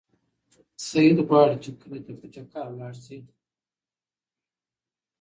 سعید غواړي چې کلي ته په چکر لاړ شي.